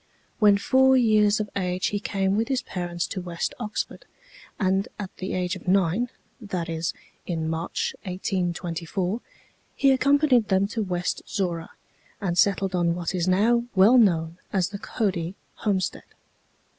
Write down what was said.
When four years of age he came with his parents to West Oxford, and at the age of nine—that is, in March, 1824—he accompanied them to West Zorra, and settled on what is now well known as the "Cody homestead."